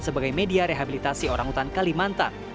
sebagai media rehabilitasi orang hutan kalimantan